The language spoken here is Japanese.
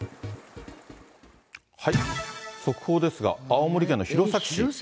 速報ですが、青森県の弘前市。